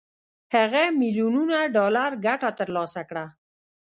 هغه میلیونونه ډالر ګټه تر لاسه کړه